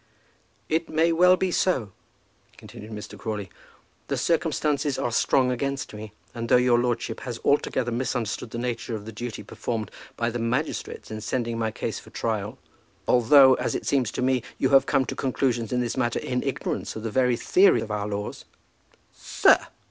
"It may well be so," continued Mr. Crawley. "The circumstances are strong against me; and, though your lordship has altogether misunderstood the nature of the duty performed by the magistrates in sending my case for trial, although, as it seems to me, you have come to conclusions in this matter in ignorance of the very theory of our laws, " "Sir!"